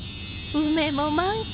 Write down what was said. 梅も満開！